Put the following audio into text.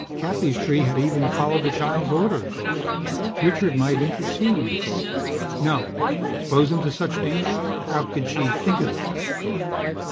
Cappy's tree had even followed the child's orders. Richard might intercede No! Expose him to such danger? How could she think of it?